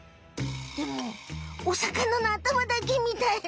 でもお魚の頭だけみたい。